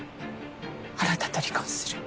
あなたと離婚する。